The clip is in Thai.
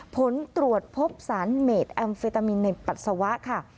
ผลตรวจพบสารเมดแอมเฟตามินในปัสสาวะค่ะ